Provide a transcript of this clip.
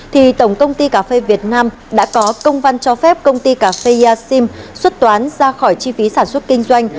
thì tổng công ty cà phê việt nam đã có công văn cho phép công ty cà phê sim xuất toán ra khỏi chi phí sản xuất kinh doanh